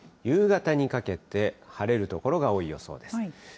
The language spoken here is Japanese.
夕方にかけて、晴れる所が多い予想です。